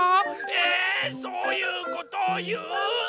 えそういうことをいう？